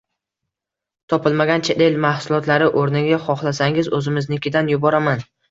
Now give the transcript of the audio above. «topilmagan chet el mahsulotlari o'rniga xohlasangiz, o'zimiznikidan yuboraman!